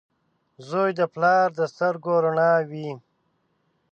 • زوی د پلار د سترګو رڼا وي.